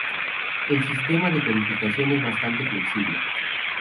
El sistema de codificación es bastante flexible.